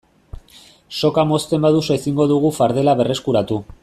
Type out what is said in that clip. Soka mozten baduzu ezingo dugu fardela berreskuratu.